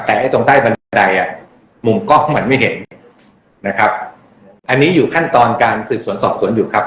แต่ไอ้ตรงใต้บันไดอ่ะมุมกล้องมันไม่เห็นนะครับอันนี้อยู่ขั้นตอนการสืบสวนสอบสวนอยู่ครับ